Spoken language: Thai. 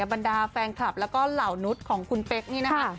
บรรดาแฟนคลับแล้วก็เหล่านุษย์ของคุณเป๊กนี่นะคะ